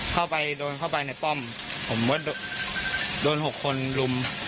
เข้าไปโดนเข้าไปในป้อมผมก็โดน๖คนลุม